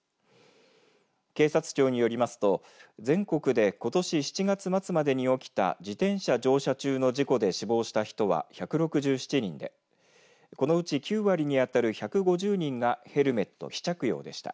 警察庁によりますと全国でことし７月末までに起きた自転車乗車中の事故で死亡した人は１６７人でこのうち９割に当たる１５０人がヘルメット非着用でした。